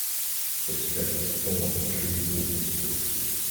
The script was full of intrigue and mystery.